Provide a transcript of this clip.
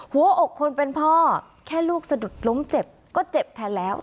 หัวอกคนเป็นพ่อแค่ลูกสะดุดล้มเจ็บก็เจ็บแทนแล้ว